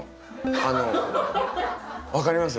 あの分かります？